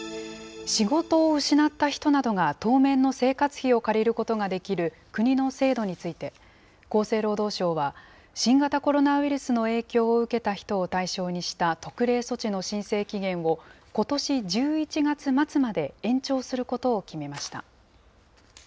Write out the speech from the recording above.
仕事を失った人などが当面の生活費を借りることができる国の制度について、厚生労働省は、新型コロナウイルスの影響を受けた人を対象にした特例措置の申請期限を、ことし１１月末まで延長することを決めました。